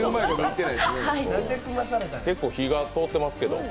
結構火が通っていますけど？